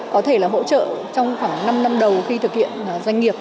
có thể là hỗ trợ trong khoảng năm năm đầu khi thực hiện doanh nghiệp